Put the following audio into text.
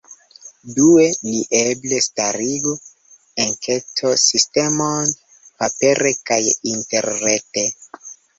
Due, ni eble starigu enketo-sistemon, papere kaj interrete.